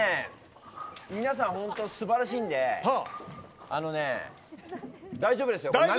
皆さん本当に素晴らしいんで大丈夫ですよ。